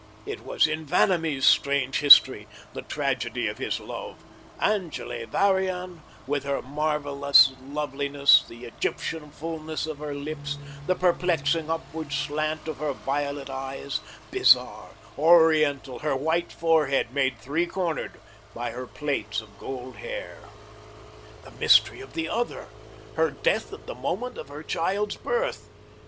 It was in Vanamee's strange history, the tragedy of his love; Angele Varian, with her marvellous loveliness; the Egyptian fulness of her lips, the perplexing upward slant of her violet eyes, bizarre, oriental; her white forehead made three cornered by her plaits of gold hair; the mystery of the Other; her death at the moment of her child's birth.